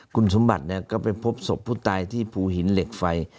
คุณสมบัติก็ไปพบศพผู้ตายที่ภูหินเหล็กไฟ